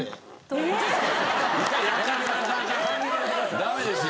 ダメですよ。